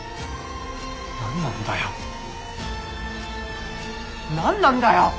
何なんだよ何なんだよ！